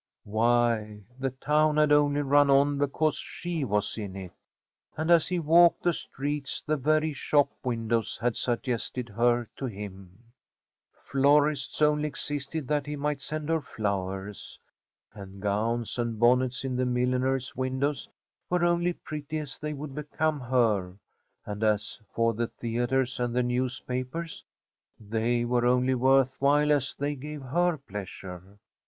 Why, the town had only run on because she was in it, and as he walked the streets the very shop windows had suggested her to him florists only existed that he might send her flowers, and gowns and bonnets in the milliners' windows were only pretty as they would become her; and as for the theatres and the newspapers, they were only worth while as they gave her pleasure.